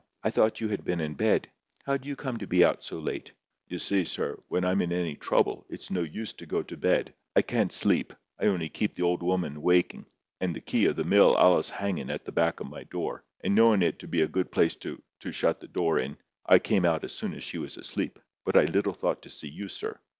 I thought you had been in bed. How do you come to be out so late?" "You see, sir, when I'm in any trouble, it's no use to go to bed. I can't sleep. I only keep the old 'oman wakin'. And the key o' the mill allus hangin' at the back o' my door, and knowin' it to be a good place to—to—shut the door in, I came out as soon as she was asleep; but I little thought to see you, sir."